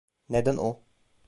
Neden o?